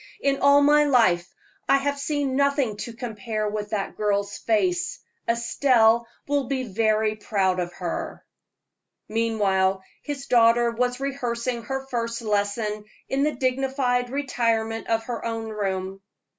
"In all my life I have seen nothing to compare with that girl's face. Estelle will be very proud of her." Meanwhile his daughter was rehearsing her first lesson in the dignified retirement of her own room.